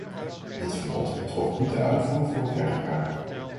Dit verbod betrof niet de uitvoer voor hergebruik.